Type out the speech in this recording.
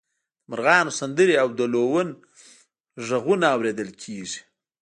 د مرغانو سندرې او د لوون غږونه اوریدل کیږي